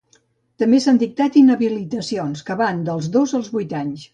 També s’han dictat inhabilitacions que van dels dos als vuit anys.